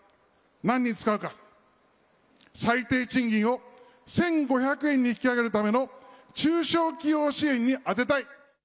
何に使うか、最低賃金を１５００円に引き上げるための中小企業支援にあてたい。